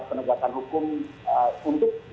penegakan hukum untuk